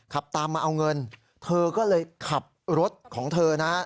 ขับตามมาเอาเงินเธอก็เลยขับรถของเธอนะ